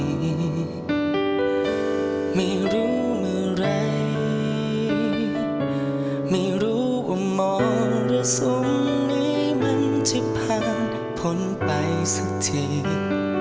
ไม่รู้เมื่อไหร่ไม่รู้ว่ามองรู้สมในมันที่ผ่านผลไปสักที